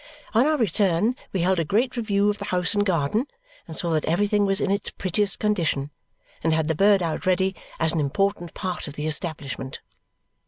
On our return, we held a great review of the house and garden and saw that everything was in its prettiest condition, and had the bird out ready as an important part of the establishment.